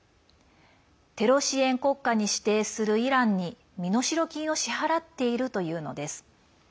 テロ支援国家に指定するイランに身代金を支払っているというのです。